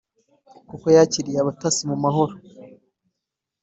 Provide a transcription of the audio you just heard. Kuko yakiriye abatasi mu mahoro